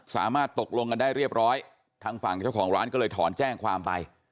สามารถตกลงกันได้เรียบร้อยทางฝั่งเจ้าของร้านก็เลยถอนแจ้งความไป